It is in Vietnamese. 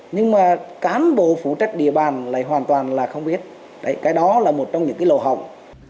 nhưng mà cán bộ phụ trách địa bàn lại hoàn toàn là không biết cái đó là một trong những lầu hồng